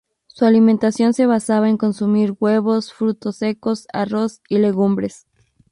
Su alimentación se basaba en consumir huevos, frutos secos, arroz y legumbres.